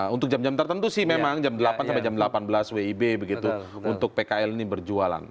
untuk jam jam tertentu sih memang jam delapan sampai jam delapan belas wib begitu untuk pkl ini berjualan